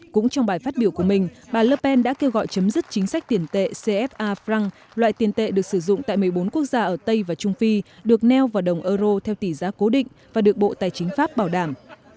cũng trong bài phát biểu của mình bà lerpen đã kêu gọi chấm dứt chính sách tiền tệ cfa franc loại tiền tệ được sử dụng tại một mươi bốn quốc gia ở tây và trung phi được neo vào đồng euro theo tỷ giá cố định và được bộ tài chính pháp bảo đảm